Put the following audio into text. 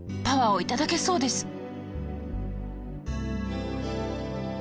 パワーを頂けそうです！